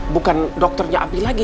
bukan dokternya abi lagi